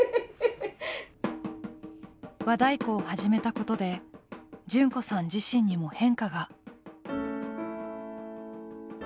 和太鼓を始めたことで純子さん自身にも変化が。